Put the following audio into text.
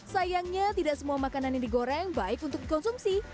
sayangnya tidak semua makanan yang digoreng baik untuk dikonsumsi